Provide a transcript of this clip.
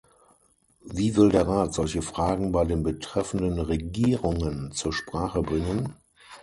Wie will der Rat solche Fragen bei den betreffenden Regierungen zur Sprache bringen?